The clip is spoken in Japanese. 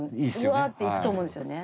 わっていくと思うんですよね。